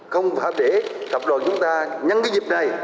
không phải để tập đoàn chúng ta nhân cái dịp này